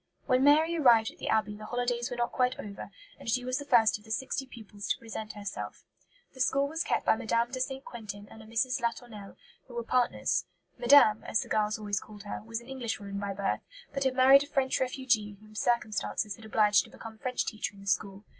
When Mary arrived at the Abbey the holidays were not quite over, and she was the first of the sixty pupils to present herself. The school was kept by Mme. de St. Quentin and a Mrs. Latournelle, who were partners. "Madame," as the girls always called her, was an Englishwoman by birth, but had married a French refugee whom circumstances had obliged to become French teacher in the school.